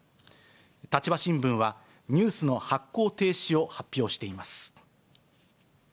立場新聞は、ニュースの発行停止を発表しています。